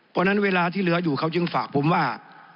เพราะฉะนั้นเวลาที่เหลืออยู่เขาจึงฝากผมว่า